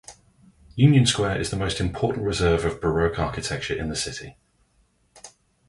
Union Square is the most important reserve of Baroque architecture in the city.